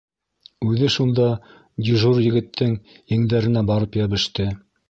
Үҙе шунда дежур егеттең еңдәренә барып йәбеште.